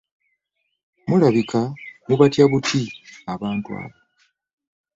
Mulabika mubatya buti abantu abo.